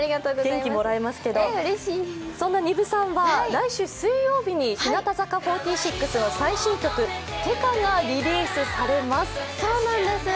そんな丹生さんは来週水曜日に日向坂４６の最新曲最新曲、「ってか」がリリースされます。